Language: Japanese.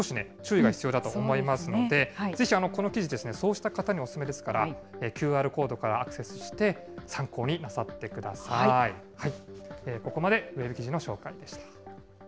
久しぶりに飲むという方、注意が必要だと思いますので、ぜひこの記事ですね、そうした方にお勧めですから、ＱＲコードからアクセスして、参考になさってください。